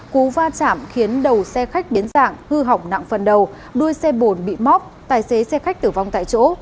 cú va chạm khiến đầu xe khách biến dạng hư hỏng nặng phần đầu đuôi xe bồn bị móc tài xế xe khách tử vong tại chỗ